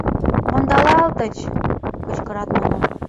Ондалалтыч! — кычкырат нуно.